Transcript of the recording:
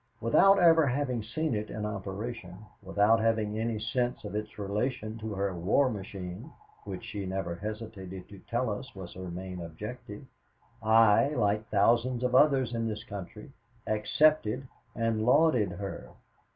Without ever having seen it in operation, without having any sense of its relation to her war machine, which she never hesitated to tell us was her main objective, I, like thousands of others in this country, accepted and lauded her.